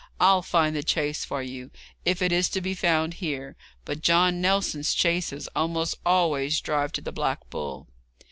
I'll find the chaise for you, if it is to be found here; but John Nelson's chaises almost always drive to the Black Bull.'